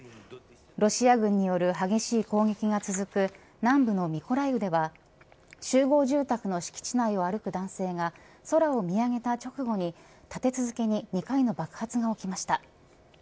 ロシア軍による激しい攻撃が続く南部のミコライウでは集合住宅の敷地内を歩く男性が空を見上げた直後に立て続けに２回の爆発が起きました。